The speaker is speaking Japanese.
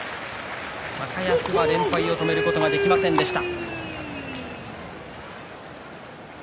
高安は連敗を止めることができませんでした。